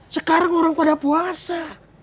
sekarang orang pada puasa